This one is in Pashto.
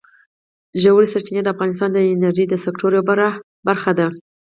ژورې سرچینې د افغانستان د انرژۍ د سکتور یوه پوره برخه ده.